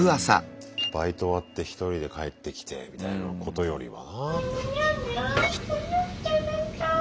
バイト終わって１人で帰ってきてみたいなことよりはなぁ。